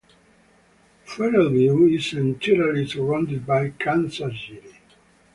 Ferrelview is entirely surrounded by Kansas City.